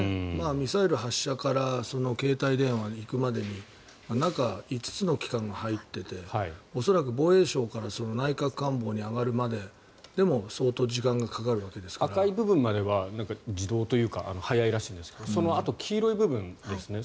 ミサイル発射から携帯電話に行くまでに中５つの機関が入っていて恐らく、防衛省から内閣官房に上がるまででも赤い部分までは自動というか早いらしいんですがそのあと、黄色い部分ですね